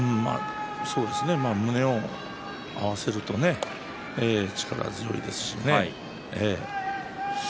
胸を合わせるとね力強いですしね。